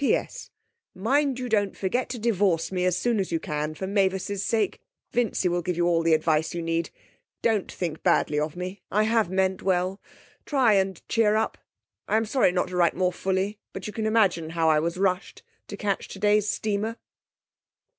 'P.S. Mind you don't forget to divorce me as soon as you can for Mavis's sake. Vincy will give you all the advice you need. Don't think badly of me; I have meant well. Try and cheer up. I am sorry not to write more fully, but you can imagine how I was rushed to catch today's steamer.'